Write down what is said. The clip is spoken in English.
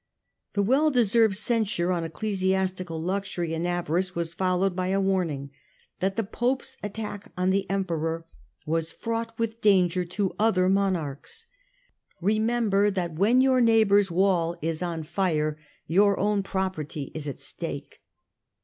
The well deserved censure on ecclesiastical luxury and avarice was followed by a warning that the Pope's attack on the Emperor was fraught with danger to other monarchs. " Remember THE FIRST EXCOMMUNICATION 85 that when your neighbour's wall is on fire, your own property is at stake."